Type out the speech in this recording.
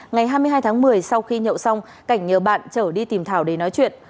ngày hai mươi hai tháng một mươi sau khi nhậu xong cảnh nhờ bạn trở đi tìm thảo để nói chuyện